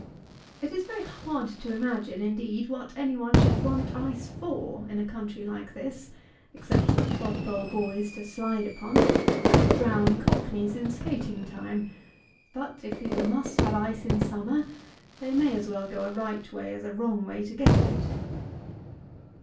It is very hard to imagine, indeed, what any one should want ice for, in a country like this, except for clodpole boys to slide upon, and to drown cockneys in skaiting time; but if people must have ice in summer, they may as well go a right way as a wrong way to get it.